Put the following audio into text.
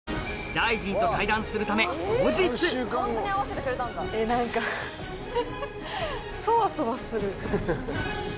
大臣と対談するため後日何かソワソワする。